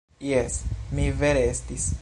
Jes, mi vere estis.